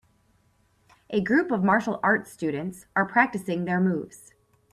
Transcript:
A group of martial arts students are practicing their moves.